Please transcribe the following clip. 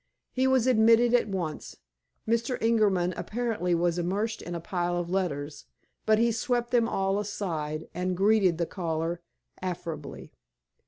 He was admitted at once. Mr. Ingerman, apparently, was immersed in a pile of letters, but he swept them all aside, and greeted the caller affably.